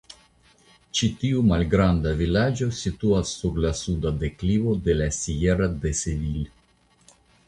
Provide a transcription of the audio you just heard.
Ĉi tiu malgranda vilaĝo situas sur la suda deklivo de la "Sierra de Sevil".